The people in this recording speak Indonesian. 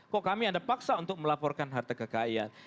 kok kami anda paksa untuk melaporkan harta kekayaan